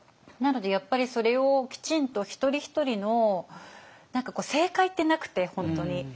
なのでやっぱりそれをきちんと一人一人の正解ってなくて本当に。